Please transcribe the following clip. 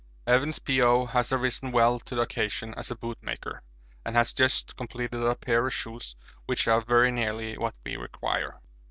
Evans, P.O., has arisen well to the occasion as a boot maker, and has just completed a pair of shoes which are very nearly what we require.